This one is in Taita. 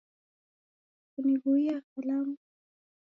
kunighuiya kalamu?